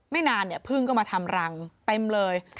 ไม่นานพึ่งก็มาทำรังเต็มเลย